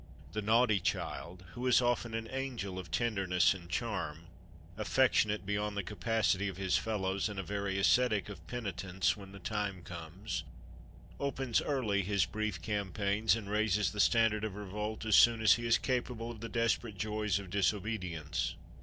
The naughty child (who is often an angel of tenderness and charm, affectionate beyond the capacity of his fellows, and a very ascetic of penitence when the time comes) opens early his brief campaigns and raises the standard of revolt as soon as he is capable of the desperate joys of disobedience.